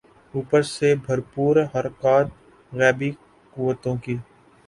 اوپر سے بھرپور حرکات غیبی قوتوں کی۔